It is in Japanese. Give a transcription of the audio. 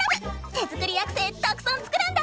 手作りアクセたくさん作るんだぁ！